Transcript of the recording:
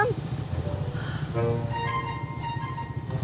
hampir aja bang